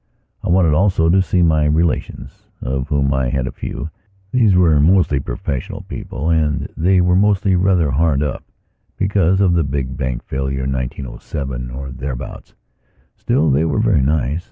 I wanted also to see my relations, of whom I had a few. These were mostly professional people and they were mostly rather hard up because of the big bank failure in 1907 or thereabouts. Still, they were very nice.